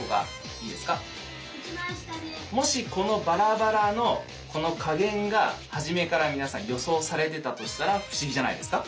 もしこのバラバラのこの加減が初めから皆さん予想されてたとしたら不思議じゃないですか？